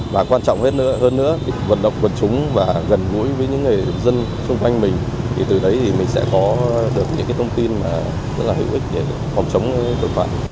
và quan trọng hơn nữa thì vận động quân chúng và gần gũi với những người dân xung quanh mình thì từ đấy mình sẽ có được những thông tin rất là hữu ích để phòng chống tội phạm